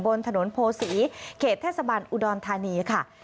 บนถนนโพศีเขตเทศบันอุดรธานีค่ะ